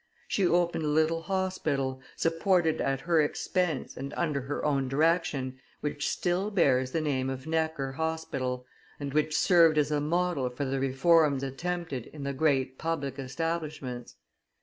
She opened a little hospital, supported at her expense and under her own direction, which still bears the name of Necker Hospital, and which served as a model for the reforms attempted in the great public establishments.